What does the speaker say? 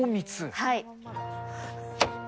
はい。